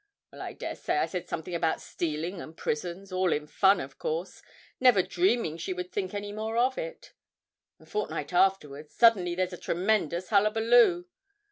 Well, I daresay I said something about stealing and prisons, all in fun, of course, never dreaming she would think any more about it. A fortnight afterwards, suddenly there's a tremendous hullabaloo.